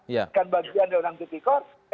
kan bagian dari orang yang di kuhp